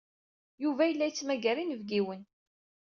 Yuba yella yettmagar inebgiwen.